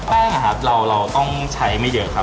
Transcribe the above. ครับเราต้องใช้ไม่เยอะครับ